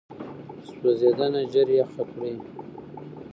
سوځېدنه ژر یخه کړئ.